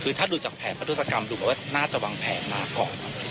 ในเบื้องต้นก็น่าจะเป็นการ